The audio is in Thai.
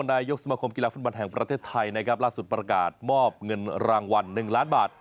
นายกสมคมกีฬาฟุตบอลแห่งประเทศไทยนะครับล่าสุดประกาศมอบเงินรางวัล๑ล้านบาท